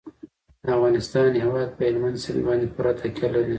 د افغانستان هیواد په هلمند سیند باندې پوره تکیه لري.